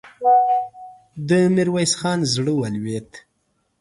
د ميرويس خان زړه ولوېد.